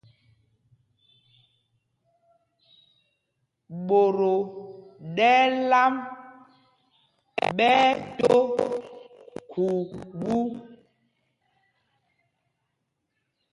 Ɓot o ɗɛ́l am ɓɛ́ ɛ́ do khubú.